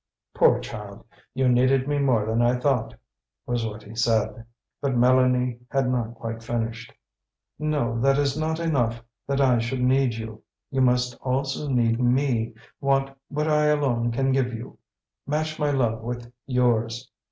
"Poor child! You needed me more than I thought!" was what he said. But Mélanie had not quite finished. "No, that is not enough, that I should need you. You must also need me, want what I alone can give you, match my love with yours.